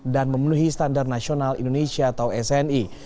dan memenuhi standar nasional indonesia atau sni